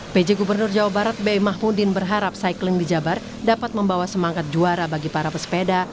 pj gubernur jawa barat bei mahmudin berharap cycling di jabar dapat membawa semangat juara bagi para pesepeda